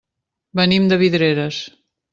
Venim de Vidreres.